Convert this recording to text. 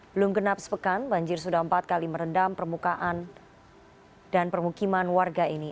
belum genap sepekan banjir sudah empat kali merendam permukaan dan permukiman warga ini